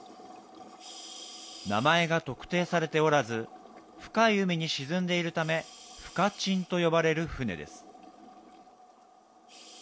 名前が特定されておらず、深い海に沈んでいるため、深沈と呼ばれる船です。